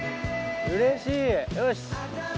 うれしいよし。